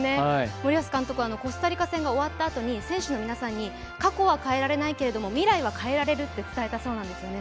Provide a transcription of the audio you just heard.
森保監督はコスタリカ戦のあとに選手の皆さんに過去は変えられないけれども、未来は変えられると伝えたそうなんですよね。